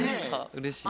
うれしい。